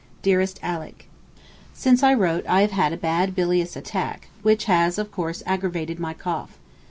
DEAREST ALICK, Since I wrote I have had a bad bilious attack, which has of course aggravated my cough.